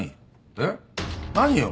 えっ？何よ。